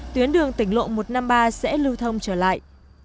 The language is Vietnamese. tuyến đường tỉnh lộ một trăm năm mươi ba sẽ lưu thông trở lại